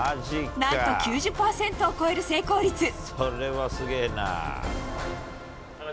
何と９０％を超える成功率。